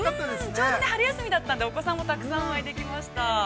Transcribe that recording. ◆ちょうど春休みだったので、お子さんにもたくさんお会いできました。